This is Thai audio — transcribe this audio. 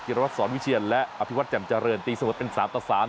จิตรวัตรสอนวิเชียนและอภิวัตรแจ่มเจริญตีสมุดเป็นสามต่อสาม